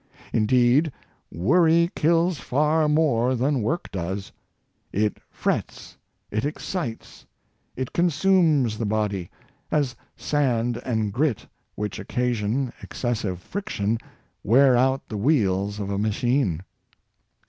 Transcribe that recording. In deed, worry kills far more than work does. It frets, it excites, it consumes the body — as sand and grit, which occasion excessive friction, wear out the wheels of a machine.